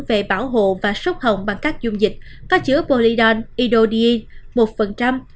về bảo hộ và súc hồng bằng các dung dịch có chứa polydol idodine một